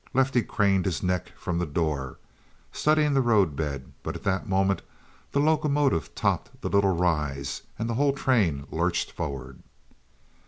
Lefty craned his neck from the door, studying the roadbed, but at that moment the locomotive topped the little rise and the whole train lurched forward.